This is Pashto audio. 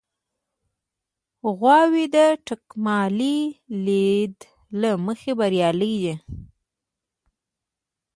غواوې د تکاملي لید له مخې بریالۍ دي.